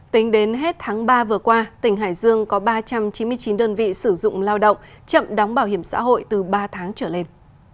tính đến hết tháng ba vừa qua tỉnh hải dương có ba trăm chín mươi chín đơn vị sử dụng lao động chậm đóng bảo hiểm xã hội từ ba tháng trở lên